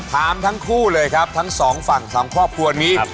ถามทั้งคู่เลยครับทั้งสองฝั่งสองครอบครัวนี้